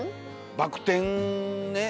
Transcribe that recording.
バク転ね